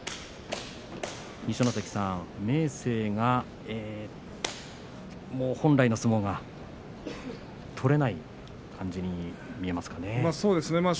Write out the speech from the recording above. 二所ノ関さん明生が本来の相撲が取れない感じに見えますかね。